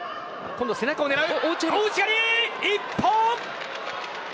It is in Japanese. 今度は背中を狙う。